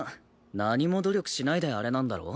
何も努力しないであれなんだろ？